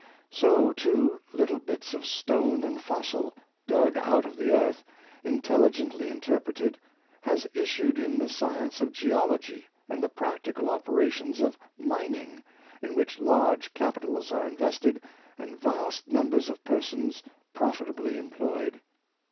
So, too, little bits of stone and fossil, dug out of the earth, intelligently in terpreted, has issued in the science of geology and the practical operations of mining, in which large capitals are invested and vast numbers of persons profitaoiy employed.